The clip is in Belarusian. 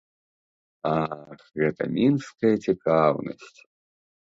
Ах, гэтая мінская цікаўнасць!